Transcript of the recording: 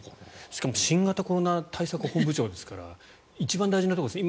しかも新型コロナ対策本部長ですから一番大事なところです。